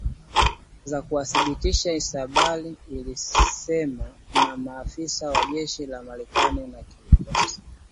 za kuwadhibiti alShabaab ilielezewa na maafisa wa jeshi la Marekani na kijasusi